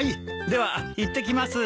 ではいってきます。